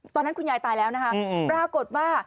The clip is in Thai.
ตอนนั้นคุณยายตายแล้วนะคะปรากฏว่า